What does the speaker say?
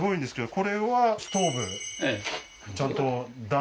これはストーブ？